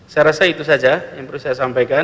saya rasa itu saja yang perlu saya sampaikan